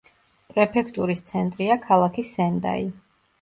პრეფექტურის ცენტრია ქალაქი სენდაი.